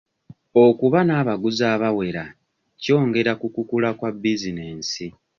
Okuba n'abaguzi abawera kyongera ku kukula kwa bizinensi.